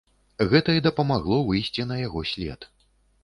Гэта і дапамагло выйсці на яго след.